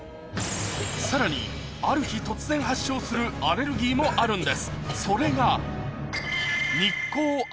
さらにある日突然発症するアレルギーもあるんです